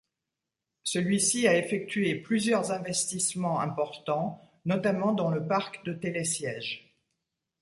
Celui-ci a effectué plusieurs investissements importants notamment dans le parc de télésièges.